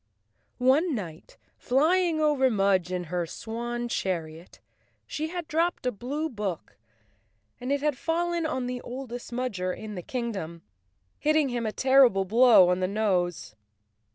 One night, flying over Mudge in her swan chariot, she had dropped a blue book and it had fallen on the oldest Mudger in the kingdom, hitting him a terrible blow on the nose.